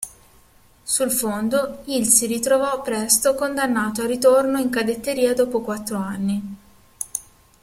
Sul fondo, il si ritrovò presto condannato al ritorno in cadetteria dopo quattro anni.